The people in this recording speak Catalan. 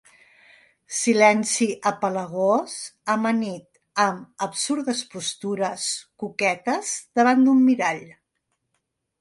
Silenci apegalós amanit amb absurdes postures coquetes davant d'un mirall.